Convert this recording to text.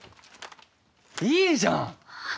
いいじゃん！